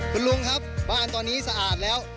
คุณลุงครับบ้านตอนนี้สะอาดแล้ว